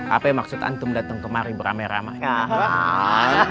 apa ya maksud antum datang kemari beramai ramai